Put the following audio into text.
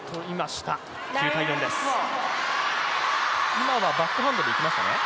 今はバックハンドできましたね？